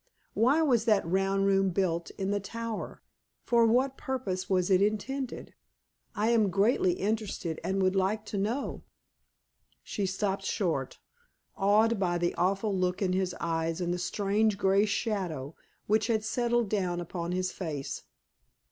Why was that round room built in the tower? For what purpose was it intended? I am greatly interested, and would like to know." She stopped short, awed by the awful look in his eyes and the strange gray shadow which had settled down upon his face.